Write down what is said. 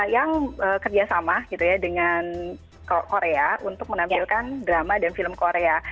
yang kerjasama gitu ya dengan korea untuk menampilkan drama dan film korea